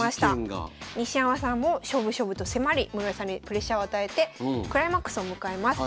西山さんも勝負勝負と迫り室谷さんにプレッシャーを与えてクライマックスを迎えます。